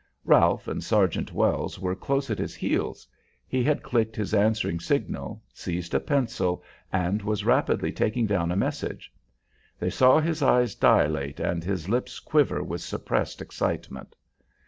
Ralph and Sergeant Wells were close at his heels; he had clicked his answering signal, seized a pencil, and was rapidly taking down a message. They saw his eyes dilate and his lips quiver with suppressed excitement.